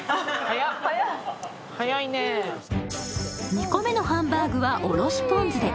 ２個目のハンバーグはおろしポン酢で。